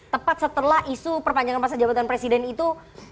tepat setelah isu perpanjangan masa jabatan presiden itu